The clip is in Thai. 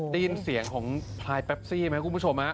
ได้ยินเสียงของพลายแปปซี่ไหมคุณผู้ชม